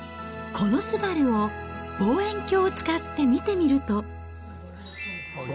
このすばるを、望遠鏡を使って見てみると。